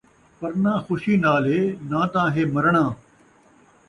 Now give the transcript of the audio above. پرناں خوشی نال ہے ناں تاں ہے مرݨا